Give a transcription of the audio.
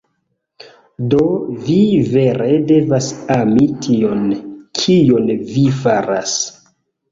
Do vi vere devas ami tion, kion vi faras.